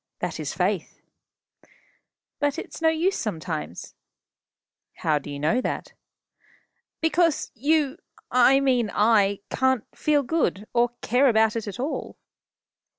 That is faith." "But it's no use sometimes." "How do you know that?" "Because you I mean I can't feel good, or care about it at all."